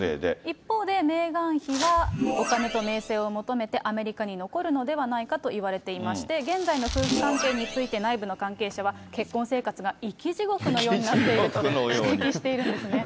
一方でメーガン妃は、お金と名声を求めて、アメリカに残るのではないかといわれていまして、現在の夫婦関係について内部の関係者は、結婚生活が生き地獄のようになっていると指摘しているんですね。